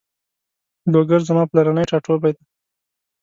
لوګر زما پلرنی ټاټوبی ده